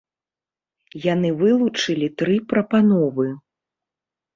Яны вылучылі тры прапановы.